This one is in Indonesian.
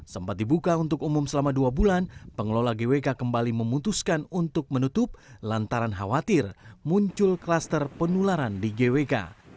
sempat dibuka untuk umum selama dua bulan pengelola gwk kembali memutuskan untuk menutup lantaran khawatir muncul klaster penularan di gwk